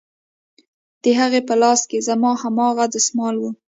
د هغې په لاس کښې زما هماغه دسمال و.